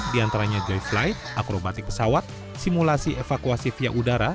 di antaranya drively akrobatik pesawat simulasi evakuasi via udara